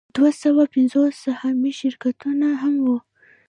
دوه سوه پنځوس سهامي شرکتونه هم وو